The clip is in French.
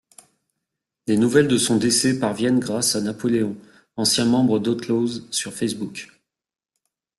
Les nouvelles de son décès parviennent grâce à Napoleon, ancien membre d'Outlawz, sur Facebook.